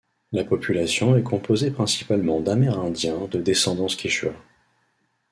La population est composée principalement d'Amérindiens de descendance quechua.